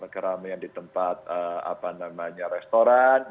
keramaian di tempat apa namanya restoran